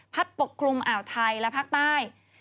ปกคลุมอ่าวไทยและภาคใต้